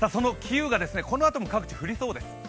雨がこのあと各地、降りそうです。